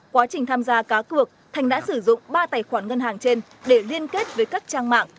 quá trình tham gia cá cược thành đã sử dụng ba tài khoản ngân hàng trên để liên kết với các trang mạng